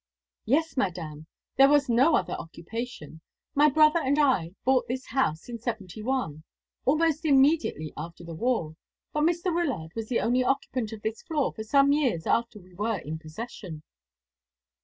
"Yes, Madame, there was no other occupation. My brother and I bought this house in 'seventy one, almost immediately after the war; but Mr. Wyllard was the occupant of this floor for some years after we were in possession."